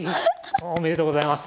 おめでとうございます。